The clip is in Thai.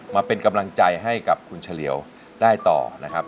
มาเป็นกำลังใจให้กับคุณเฉลียวได้ต่อนะครับ